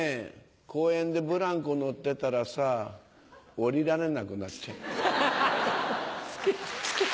公園でブランコ乗ってたらさ下りられなくなっちゃった。